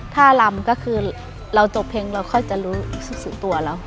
ถ้ารำก็คือเราจบเพลงเราค่อยจะรู้สึกถึงตัวเรา